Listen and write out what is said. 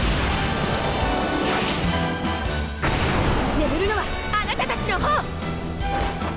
眠るのはあなたたちの方！